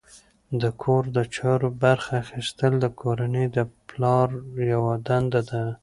د کور د چارو برخه اخیستل د کورنۍ د پلار یوه دنده ده.